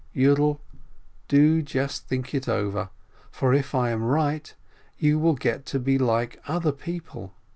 Yiidel, do just think it over, for if I am right, you will get to be like other people.